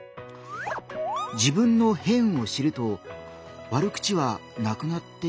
自分の「変」を知ると悪口はなくなっていくかなぁ？